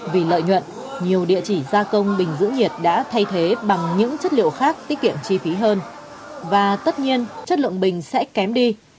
vì lợi nhuận nhiều địa chỉ gia công bình giữ nhiệt đã thay thế bằng những chất liệu khác tiết kiệm chi phí hơn và tất nhiên chất lượng bình sẽ kém đi